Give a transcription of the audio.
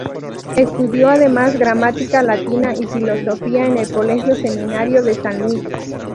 Estudió además gramática latina y filosofía en el Colegio Seminario de San Luis.